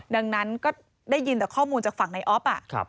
ดังนั้นก็ได้ยินแต่ข้อมูลจากฝั่งในออฟ